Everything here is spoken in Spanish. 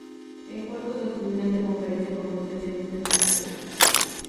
En cuartos de final de conferencia venció a Sionista en tres juegos.